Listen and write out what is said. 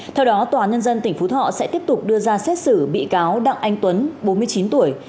theo đó tòa nhân dân tỉnh phú thọ sẽ tiếp tục đưa ra xét xử bị cáo đặng anh tuấn bốn mươi chín tuổi